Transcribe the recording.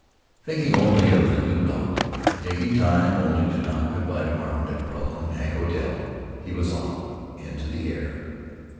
Thinking only of the new route, taking time only to nod good by to Martin Dockerill and Hank Odell, he was off, into the air.